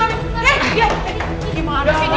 nggak kayak serokan gitu